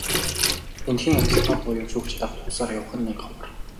Эндэхийн ажилтнууд буюу шүүгчид автобусаар явах нь нэн ховор.